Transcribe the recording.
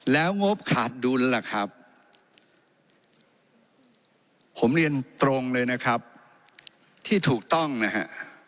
แล้วงบขาดดุลล่ะครับผมเรียนตรงเลยนะครับที่ถูกต้องนะฮะ